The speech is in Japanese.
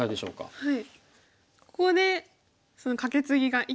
はい。